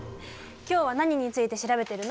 今日は何について調べてるの？